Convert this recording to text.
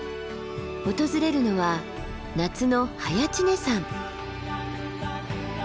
訪れるのは夏の早池峰山。